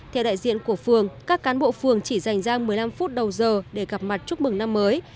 theo đại diện của phường các cán bộ phường chỉ dành ra một mươi năm phút đầu giờ để gặp mặt chúc mừng năm mới